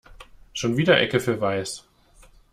Schon wieder Ecke für weiß.